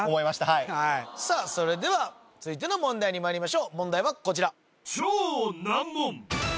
はいさあそれでは続いての問題にまいりましょう問題はこちら